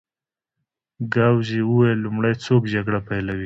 ګاووزي وویل: لومړی څوک جګړه پېلوي؟